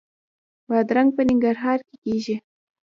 بادرنګ په ننګرهار کې کیږي